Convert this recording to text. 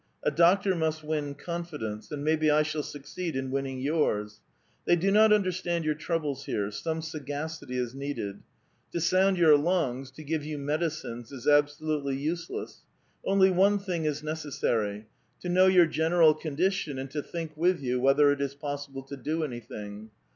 " A doctor must win confidence, nnd maybe I shall succeed in winning yours. They do not understand your troubles here ; some sagacit}' is needed. To sound your lungs, to give you medicines, is absolutely useless. Only one thing is necessary : to know your general condition, and to think with you whether it is possible to do anything.